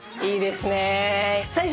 いいですね。